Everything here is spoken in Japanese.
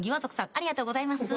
ありがとうございます。